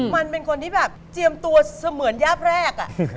มันเป็นคนที่แบบเจียมตัวเสมือนยาบแรก